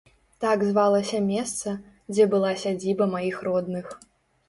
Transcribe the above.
Так звалася месца, дзе была сядзіба маіх родных.